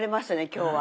今日は。